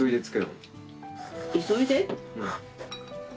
急いで？